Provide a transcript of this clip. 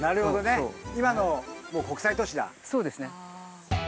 そうですね。